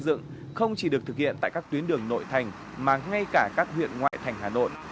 dựng không chỉ được thực hiện tại các tuyến đường nội thành mà ngay cả các huyện ngoại thành hà nội